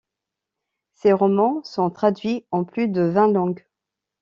Ses romans sont traduits en plus de vingt langues.